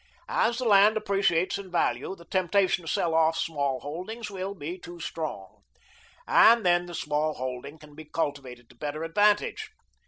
As the land appreciates in value, the temptation to sell off small holdings will be too strong. And then the small holding can be cultivated to better advantage.